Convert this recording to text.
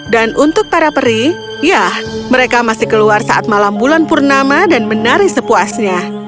dan untuk para peri ya mereka masih keluar saat malam bulan purnama dan menari sepuasnya